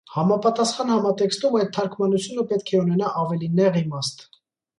Համապատասխան համատեքստում այդ թարագմանությունը պետք է ունենա ավելի նեղ իմաստ։